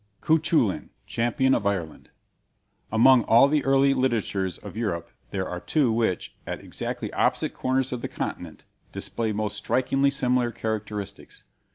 CUCHULAIN, CHAMPION OF IRELAND Among all the early literatures of Europe, there are two which, at exactly opposite corners of the continent, display most strikingly similar characteristics.